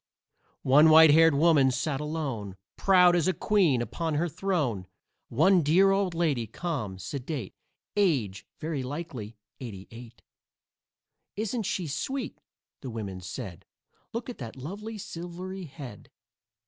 One white haired woman sat alone, Proud as a queen upon her throne. One dear old lady, calm, sedate, Age, very likely, eighty eight. "Isn't she sweet?" the women said; "Look at that lovely silvery head!"